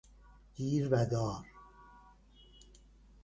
گیر و دار